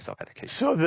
そうです。